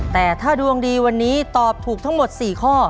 แต่ถ้าดวงดีวันนี้ตอบถูกทั้งหมด๔ข้อ